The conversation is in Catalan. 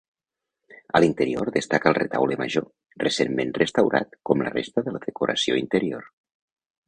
A l'interior destaca el retaule major, recentment restaurat com la resta de la decoració interior.